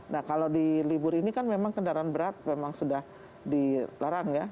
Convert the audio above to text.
nah kalau di libur ini kan memang kendaraan berat memang sudah dilarang ya